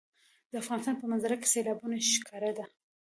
د افغانستان په منظره کې سیلابونه ښکاره ده.